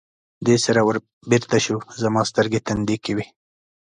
دې سره ور بېرته شو، زما سترګې تندې کې وې.